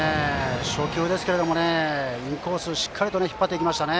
初球ですけどもインコースしっかりと引っ張っていきました。